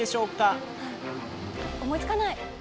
思いつかない。